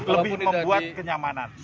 lebih membuat kenyamanan